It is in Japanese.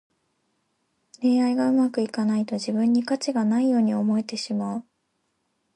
恋愛がうまくいかないと、自分に価値がないように思えてしまう。